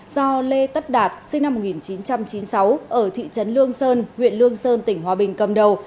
do lê tất đạt sinh năm một nghìn chín trăm chín mươi sáu ở thị trấn lương sơn huyện lương sơn tỉnh hòa bình cầm đầu